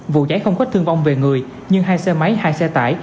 vụ cháy không có thương vong về người nhưng hai xe máy hai xe tải